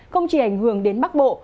không chỉ ảnh hưởng đến bắc bộ